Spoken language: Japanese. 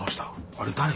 あれ誰？